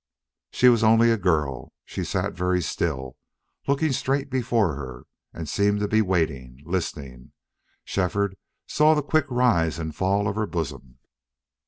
She was only a girl. She sat very still, looking straight before her, and seemed to be waiting, listening. Shefford saw the quick rise and fall of her bosom.